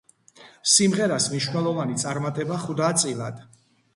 სიმღერას მნიშვნელოვანი წარმატება ხვდა წილად.